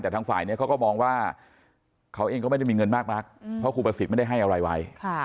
แต่ทางฝ่ายนี้เขาก็มองว่าเขาเองก็ไม่ได้มีเงินมากนักเพราะครูประสิทธิ์ไม่ได้ให้อะไรไว้